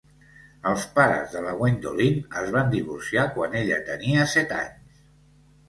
Els pares de la Gwendolyn es van divorciar quan ella tenia set anys.